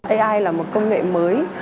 ai là một công nghệ mới